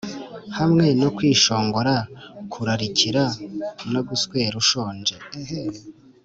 hamwe no kwishongora kurarikira no guswera ushonje